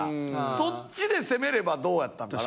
そっちで攻めればどうやったんかな？